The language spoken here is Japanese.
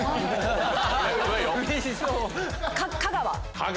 香川。